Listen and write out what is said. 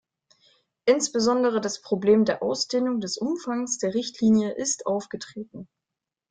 Insbesondere das Problem der Ausdehnung des Umfangs der Richtlinie ist aufgetreten.